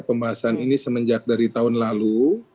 pembahasan ini semenjak dari tahun lalu